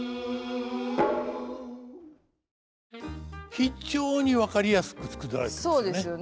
非常に分かりやすく作られてますね。